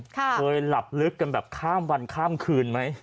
เคยหลับลึกกันแบบข้ามวันข้ามคืนไหม